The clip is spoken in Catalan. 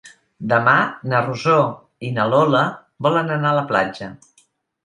Demà na Rosó i na Lola volen anar a la platja.